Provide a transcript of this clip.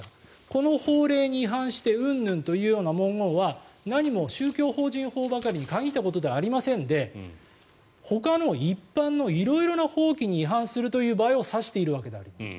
この法令に違反してうんぬんというような文言は何も宗教法人法ばかりに限ったことではありませんでほかの一般の色々な法規に違反するという場合を指しているわけであります。